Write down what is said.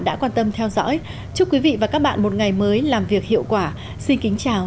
đã quan tâm theo dõi chúc quý vị và các bạn một ngày mới làm việc hiệu quả xin kính chào và hẹn gặp lại